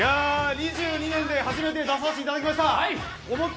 ２２年で初めて出させていただきました。